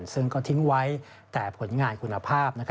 ซึ่งก็ทิ้งไว้แต่ผลงานคุณภาพ